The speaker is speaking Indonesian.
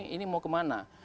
ini mau kemana